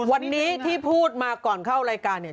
วันนี้ที่พูดมาก่อนเข้ารายการเนี่ย